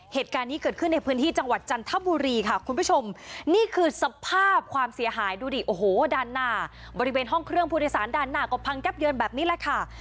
เหตุการณ์นี้เกิดขึ้นในพื้นที่จังหวัดจันทบุรีค่ะคุณผู้ชมนี่คือสภาพความเสียหายดูดิโอ้โหด้านหน้าบริเวณห้องเครื่องผู้โดยสารด้านหน้าก็พังยับเยินแบบนี้แหละค่ะ